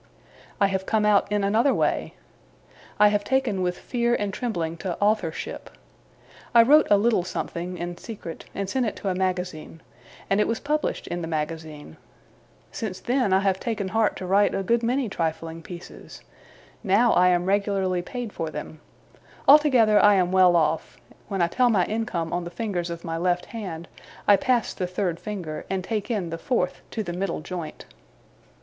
I have come out in another way. I have taken with fear and trembling to authorship. I wrote a little something, in secret, and sent it to a magazine, and it was published in the magazine. Since then, I have taken heart to write a good many trifling pieces. Now, I am regularly paid for them. Altogether, I am well off, when I tell my income on the fingers of my left hand, I pass the third finger and take in the fourth to the middle joint.